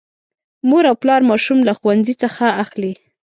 مور او پلا ماشوم له ښوونځي څخه اخلي.